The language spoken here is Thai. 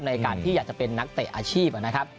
ในการที่อยากจะเป็นนักเตะอาชีพนะครับ